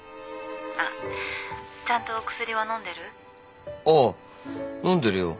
あっちゃんと薬は飲んでる？